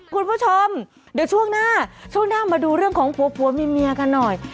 คุณผู้ชมเดี๋ยวช่วงหน้าช่วงหน้ามาดูเรื่องของผัวผัวเมียกันหน่อย